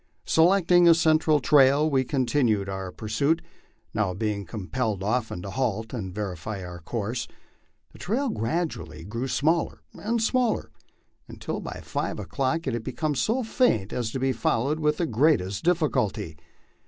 Selecting a central trail, we continued our pur suit, now being compelled often to halt and verify our course. The trail grad ually grew smaller and smaller, until by five o'clock it had become so faint as to be followed with the greatest difficulty.